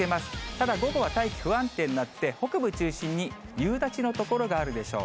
ただ、午後は大気、不安定になって、北部中心に夕立の所があるでしょう。